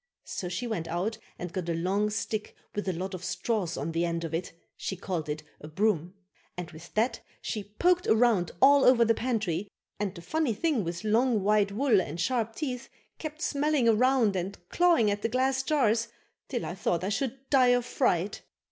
So she went out and got a long stick with a lot of straws on the end of it (she called it a broom), and with that she poked around all over the pantry, and the funny thing with long, white wool and sharp teeth kept smelling around and clawing at the glass jars till I thought I should die of fright.